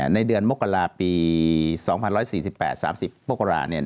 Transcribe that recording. ในเดือนมกราปี๒๑๔๘๓๐มกรา